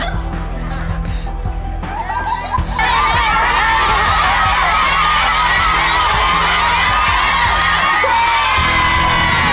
เย้